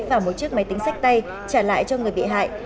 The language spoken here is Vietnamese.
và một chiếc máy tính sách tay trả lại cho người bị hại